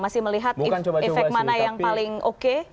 masih melihat efek mana yang paling oke